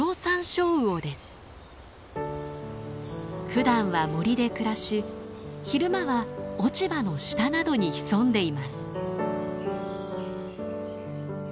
ふだんは森で暮らし昼間は落ち葉の下などに潜んでいます。